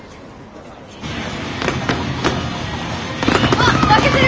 あっ負けてる！